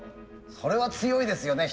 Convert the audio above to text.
それは強いですよね